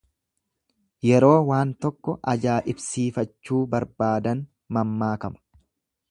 Yeroo waan tokko ajaaibsifachuu barbaadan mammaakama.